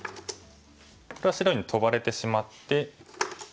これは白にトバれてしまって。